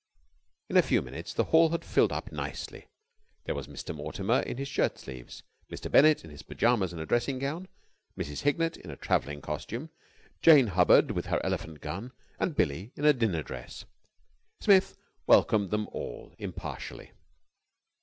In a few minutes the hall had filled up nicely. There was Mr. Mortimer in his shirt sleeves, Mr. Bennett in his pyjamas and a dressing gown, Mrs. Hignett in a travelling costume, Jane Hubbard with her elephant gun, and Billie in a dinner dress. Smith welcomed them all impartially.